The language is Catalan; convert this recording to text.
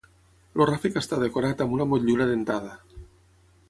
El ràfec està decorat amb una motllura dentada.